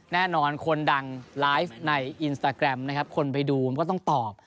แน่นอนคนดังไลฟ์ในอินสตาแกรมนะครับคนไปดูมันก็ต้องตอบ